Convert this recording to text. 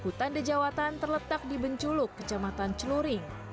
hutan dejawatan terletak di benculuk kecamatan celuring